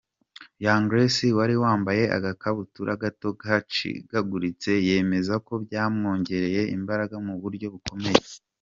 Young Grace wari wambaye agakabutura gato gacikaguritse yemeza ko byamwongereye imbaraga mu buryo bukomeye.